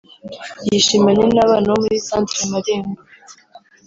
yishimanye n’abana bo muri Centre Marembo